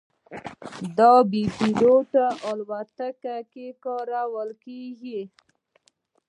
دا په بې پیلوټه الوتکو کې کارول کېږي.